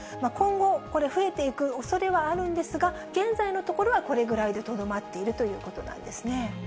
今後、これ、増えていくおそれがあるんですが、現在のところは、これぐらいでとどまっているということなんですね。